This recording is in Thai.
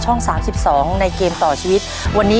หลองไม่ได้